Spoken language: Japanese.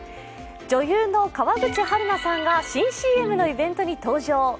女優の川口春奈さんが新ＣＭのイベントに登場。